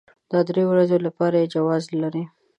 د درې ورځو لپاره يې جواز لري.